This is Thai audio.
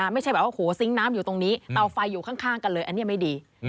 ไม่ใช่แบบว่าโหซิงค์น้ำอยู่ตรงนี้เตาไฟอยู่ข้างกันเลยอันนี้ไม่ดี